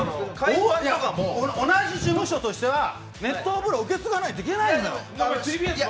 同じ事務所としては熱湯風呂を受け継がないといけないのよ。